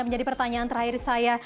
menjadi pertanyaan terakhir saya